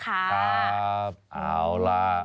ครับเอาล่ะ